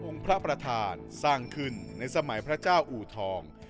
พระประธานสร้างขึ้นในสมัยพระเจ้าอูทอง